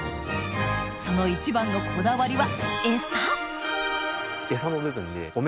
その一番のこだわりはエサの部分で。